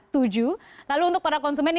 tuju lalu untuk para konsumen ini